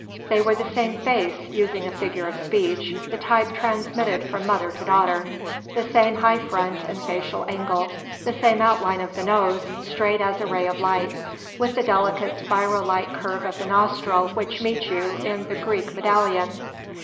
They were the same face using a figure of speech the type transmitted from mother to daughter: the same high front and facial angle, the same outline of the nose, straight as a ray of light, with the delicate spiral like curve of the nostril which meets you in the Greek medallion.